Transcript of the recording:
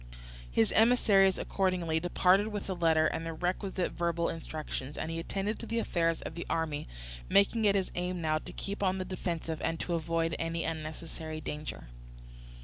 His emissaries, accordingly, departed with the letter and the requisite verbal instructions; and he attended to the affairs of the army, making it his aim now to keep on the defensive and to avoid any unnecessary danger.